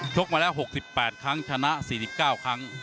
กมาแล้ว๖๘ครั้งชนะ๔๙ครั้ง